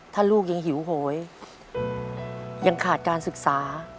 ถ้าลูกยังหิวโหยยังขาดการศึกษา